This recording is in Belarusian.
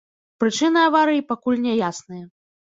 Прычыны аварыі пакуль няясныя.